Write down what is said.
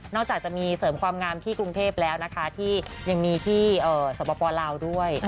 จากจะมีเสริมความงามที่กรุงเทพแล้วนะคะที่ยังมีที่สปลาวด้วย